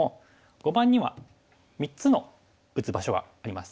碁盤には３つの打つ場所があります